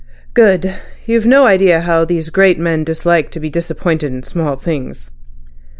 "Good. You've no idea how these great men dislike to be disappointed in small things."